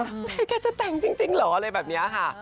ไม่ควรเพียงแค่จะแต่งจริงเหรอเลยแบบนี้ค่ะ